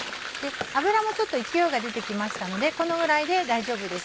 油もちょっと勢いが出てきましたのでこのぐらいで大丈夫です。